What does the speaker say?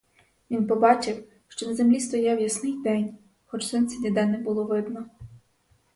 Він побачив, що на землі стояв ясний день, хоч сонця ніде не було видно.